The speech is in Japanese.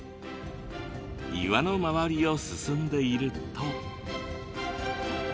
岩の周りを進んでいると。